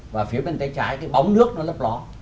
và phía bên tay trái cái bóng nước nó lấp ló